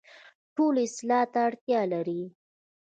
ټولنه اصلاح ته اړتیا لري